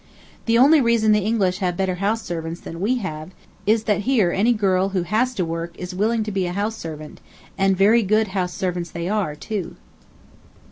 The only reason the English have better house servants than we have is that here any girl who has to work is willing to be a house servant, and very good house servants they are, too.